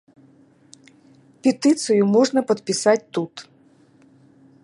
Петыцыю можна падпісаць тут.